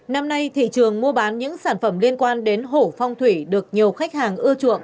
năm nay thị trường mua bán những sản phẩm liên quan đến hổ phong thủy được nhiều khách hàng